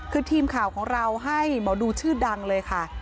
คือทีมข่าวของเราให้หมอดูชื่อดังเลยค่ะ